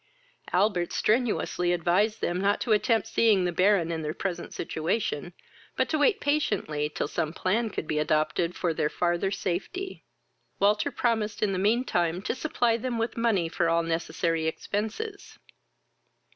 Albert strenously advised them not to attempt seeing the Baron in their present situation, but to wait patiently till some plan could be adopted for their farther safety. Walter promised in the mean time to supply them with money for all necessary expences.